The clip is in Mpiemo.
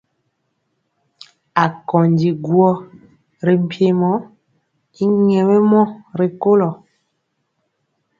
Akondi guɔ ri mpiemɔ y nyɛmemɔ rikolo.